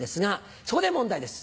そこで問題です